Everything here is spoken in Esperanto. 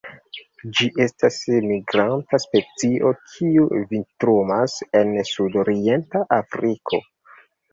Ĝi estas migranta specio, kiu vintrumas en sudorienta Afriko.